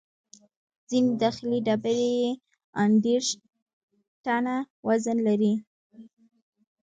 ځینې داخلي ډبرې یې ان دېرش ټنه وزن لري.